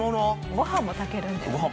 ご飯も炊けるんです。